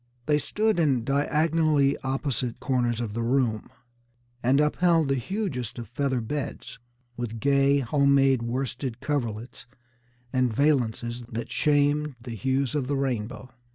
They stood in diagonally opposite corners of the room, and upheld the hugest of feather beds, with gay, home made worsted coverlets and valances that shamed the hues of the rainbow.